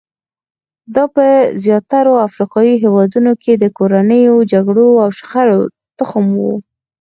دا په زیاترو افریقایي هېوادونو کې د کورنیو جګړو او شخړو تخم وو.